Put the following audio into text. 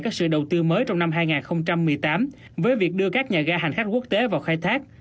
các sự đầu tư mới trong năm hai nghìn một mươi tám với việc đưa các nhà ga hành khách quốc tế vào khai thác